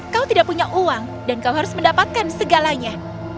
kau tidak punya uang dan kau harus mendapatkan segalanya